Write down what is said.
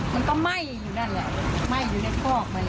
มันก็ไหม้อยู่นั่นแหละไหม้อยู่ในคอกมัน